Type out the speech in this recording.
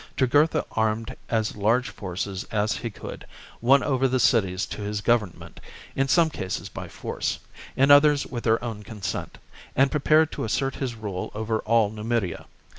Jugurtha armed as large forces as he could, won over the cities to his government, in some cases by force, in others with their own consent, and prepared to assert his rule over all Numidia.